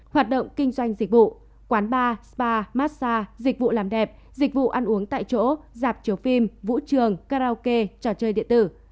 hoạt động kinh doanh dịch vụ quán bar spa massage dịch vụ làm đẹp dịch vụ ăn uống tại chỗ giảm chiếu phim vũ trường karaoke trò chơi điện tử